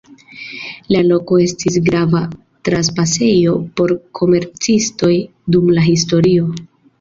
La loko estis grava trapasejo por komercistoj dum la historio.